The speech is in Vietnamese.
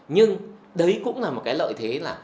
nhưng đấy cũng là một cái lợi thế là